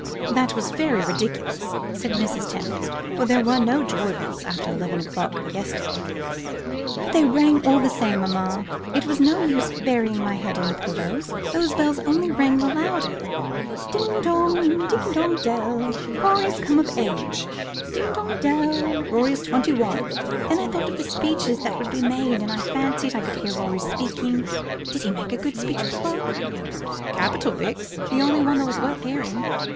"That was very ridiculous." said Mrs. Tempest, "for there were no joy bells after eleven o'clock yesterday." "But they rang all the same, mamma. It was no use burying my head in the pillows; those bells only rang the louder. Ding dong, ding dong, dell, Rorie's come of age; ding dong, dell, Rorie's twenty one. Then I thought of the speeches that would be made, and I fancied I could hear Rorie speaking. Did he make a good speech, papa?" "Capital, Vix; the only one that was worth hearing!"